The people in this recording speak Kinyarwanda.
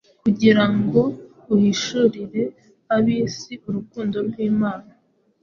kugira ngo ahishurire ab’isi urukundo rw’Imana,